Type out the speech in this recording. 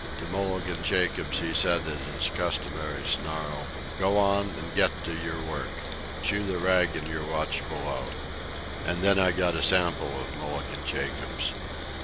To Mulligan Jacobs he said in his customary snarl: "Go on an' get to your work. Chew the rag in your watch below." And then I got a sample of Mulligan Jacobs.